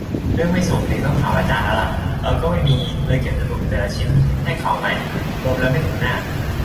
เรื่องไม่ส่งนี่ ต้องถามอาจารย์แล้วล่ะ เราก็ไม่มี เลยเขียนสรุปแต่ละชิ้นให้เขาใหม่รวมแล้วไม่ถึงหน้า